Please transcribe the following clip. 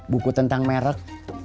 buku tentang merek